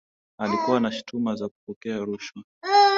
alikuwa na shutuma za kupokea rushwa